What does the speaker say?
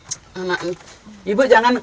saya tidak tahu apa yang terjadi